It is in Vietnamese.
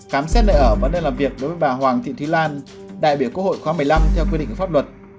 khám xét nợ ở và nơi làm việc đối với bà hoàng thị thúy lan đại biểu quốc hội khoa một mươi năm theo quy định của pháp luật